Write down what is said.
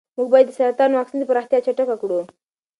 موږ باید د سرطان واکسین پراختیا چټکه کړو.